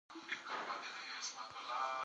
'د ادب د لوست ښځمن ليدلورى